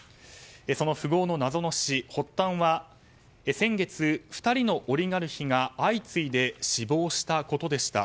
その富豪の謎の死発端は、先月２人のオリガルヒが相次いで死亡したことでした。